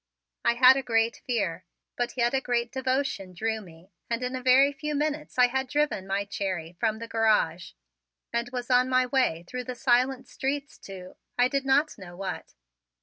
I had a great fear, but yet a great devotion drew me and in a very few minutes I had driven my Cherry from the garage and was on my way through the silent streets to I did not know what.